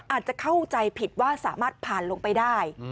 อาจจะเข้าใจผิดว่าสามารถผ่านลงไปได้